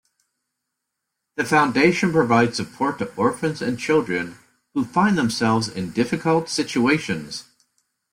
The foundation provides support to orphans and children who find themselves in difficult situations.